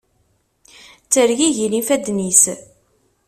Ttergigin yifadden-is.